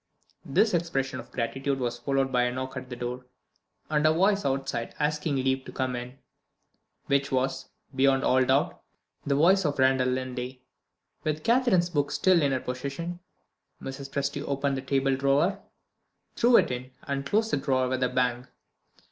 This expression of gratitude was followed by a knock at the door, and by a voice outside asking leave to come in, which was, beyond all doubt, the voice of Randal Linley. With Catherine's book still in her possession, Mrs. Presty opened the table drawer, threw it in, and closed the drawer with a bang.